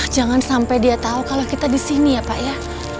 jangan sampai dia tahu kalau kita di sini ya pak ya